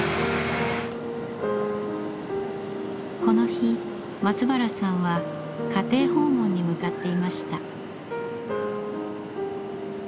この日松原さんは家庭訪問に向かっていました。